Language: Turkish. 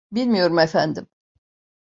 Bilmiyorum, efendim.